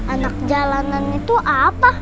anak jalanan itu apa